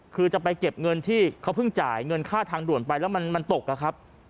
คือจะไปเก็บเงินที่เขาเพิ่งจ่ายเงินค่าทางด่วนไปแล้วมันตกอะครับ